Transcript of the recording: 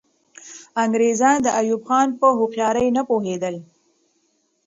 انګریزان د ایوب خان په هوښیاري نه پوهېدل.